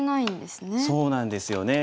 そうなんですよね。